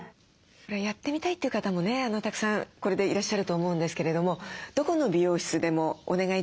やってみたいという方もねたくさんいらっしゃると思うんですけれどもどこの美容室でもお願いできるものですか？